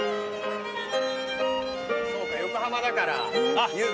そうか横浜だからゆず。